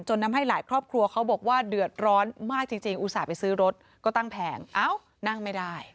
ทำให้หลายครอบครัวเขาบอกว่าเดือดร้อนมากจริงอุตส่าห์ไปซื้อรถก็ตั้งแผงเอ้านั่งไม่ได้